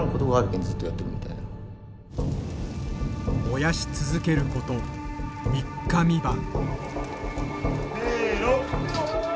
燃やし続けること３日３晩。